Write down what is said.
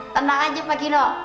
tenang aja pak gino